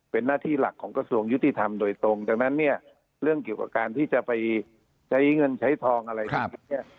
เป็นหน้าที่หลักของกระทรวงยุติธรรมโดยตรงดังนั้นเนี่ยเรื่องเกี่ยวกับการที่จะไปใช้เงินใช้ทองอะไรทั้งสิ้นเนี่ย